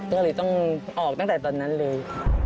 ก็เลยต้องออกตั้งแต่ตอนนั้นเลย